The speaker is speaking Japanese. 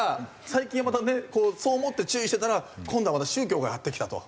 最近はまたねそう思って注意してたら今度はまた宗教がやってきたと。